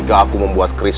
aku akan mencari